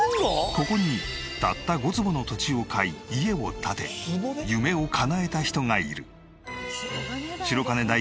ここにたった５坪の土地を買い家を建て夢をかなえた人がいる。